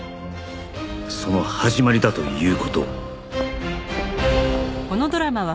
その始まりだという事を